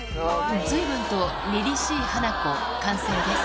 随分とりりしいハナコ完成です